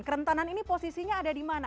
kerentanan ini posisinya ada di mana